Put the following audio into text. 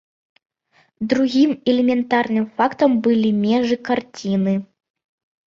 Другім элементарным фактам былі межы карціны.